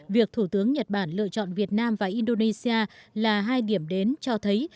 việc thủ tướng nhật bản lựa chọn việt nam và indonesia là hai điểm đến cho thấy